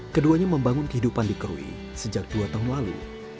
keduanya membangun kehidupan di krui sejak dua tahun lalu